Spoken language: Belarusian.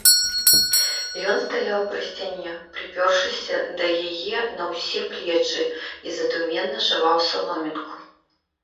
Ён стаяў пры сцяне, прыпёршыся да яе на ўсе плечы, і задуменна жаваў саломінку.